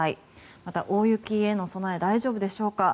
また、大雪への備え大丈夫でしょうか。